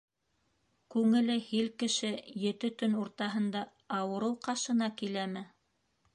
Күңеле һил кеше ете төн уртаһында ауырыу ҡашына киләме?!